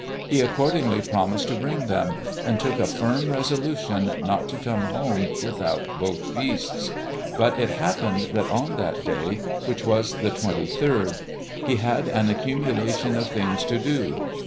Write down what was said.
He accordingly promised to bring them, and took a firm resolution not to come home without both beasts; but it happened that on that day, which was the 23d, he had an accumulation of things to do.